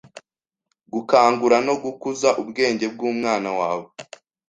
gukangura no gukuza ubwenge bw’umwana wawe